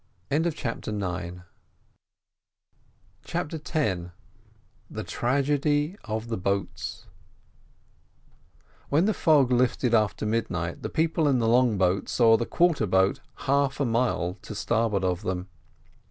CHAPTER X THE TRAGEDY OF THE BOATS When the fog lifted after midnight the people in the long boat saw the quarter boat half a mile to starboard of them.